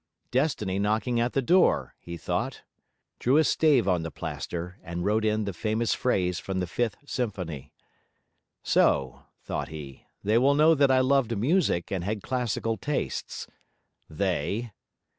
'Destiny knocking at the door,' he thought; drew a stave on the plaster, and wrote in the famous phrase from the Fifth Symphony. 'So,' thought he, 'they will know that I loved music and had classical tastes. They?